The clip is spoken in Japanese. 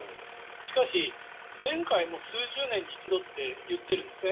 しかし、前回も数十年に一度と言っているんですね。